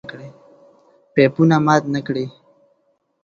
پيپونه مات نکړئ!